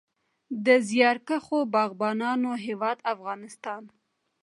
د زیارکښو باغبانانو هیواد افغانستان.